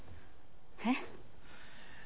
えっ？